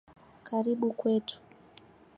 Karibu Kwetu